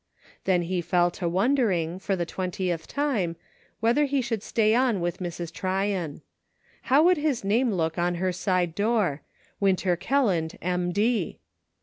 Then he fell to wondering, for the twentieth time, whether he should stay on with Mrs. Tryon. How would his name look on her side door :" Winter Kelland, M. D."